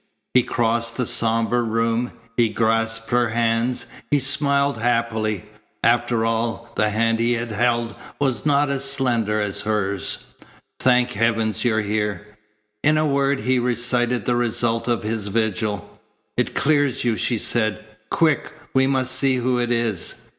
He crossed the sombre room. He grasped her hands. He smiled happily. After all, the hand he had held was not as slender as hers. "Thank heavens you're here." In a word he recited the result of his vigil. "It clears you," she said. "Quick! We must see who it is."